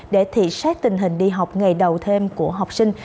để thị xác tình hình đi học ngày đầu thêm của học sinh